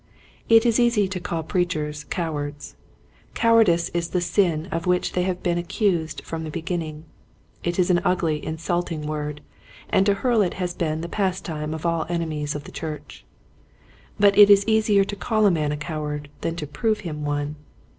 It is easy to call preachers cowards. Cowardice is the sin of which they have been accused from the beginning. It is an ugly insulting word, and to hurl it has been the pas time of all enemies of the church. But it is easier to call a man a coward than to prove him one.